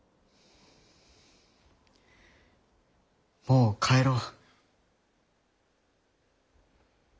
もう帰ろう。